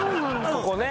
ここね。